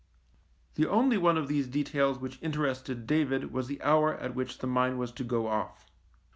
The only one of these details which inter ested David was the hour at which the mine was to go off.